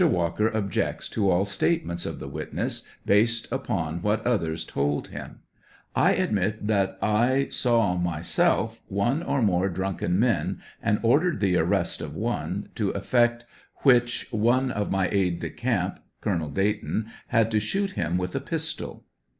Walker objects to all statements of the witness based upon what others told him.] I admit that I saw myself one or more drunken men, and ordered the arrest of one, to effect which, one of my aid de camp (Colonel Dayton,) had to shoot him with a pistol.